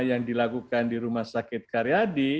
yang dilakukan di rumah sakit karyadi